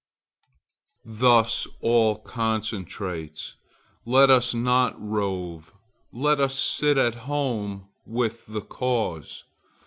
Thus all concentrates: let us not rove; let us sit at home with the cause.